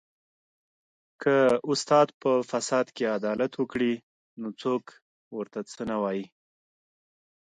که استاد په فساد کې عدالت وکړي نو څوک ورته څه نه وايي